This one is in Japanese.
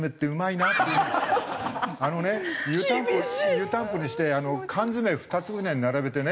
湯たんぽにして缶詰２つぐらい並べてね